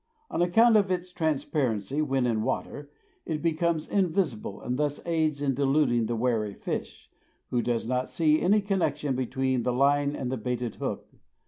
On account of its transparency when in water, it becomes invisible and thus aids in deluding the wary fish, who does not see any connection between the line and the baited hook.